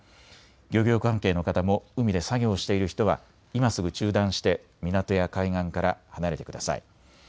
漁業関係の方も海で作業している人は今すぐ中断して港や海岸から離れてください。